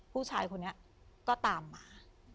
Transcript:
ผู้ชายคนนี้ก็ตามมา